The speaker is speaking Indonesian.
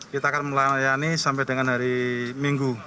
kita akan melayani sampai dengan hari minggu